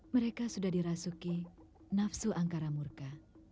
mereka sudah dirasuki nafsu angkara murka